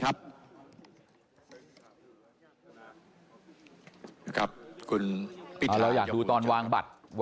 อันนี้คือตอนที่กล่าว